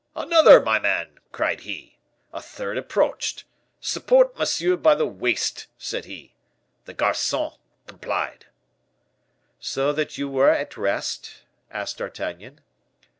"'Another, my man,' cried he. A third approached. 'Support monsieur by the waist,' said he. The garcon complied." "So that you were at rest?" asked D'Artagnan.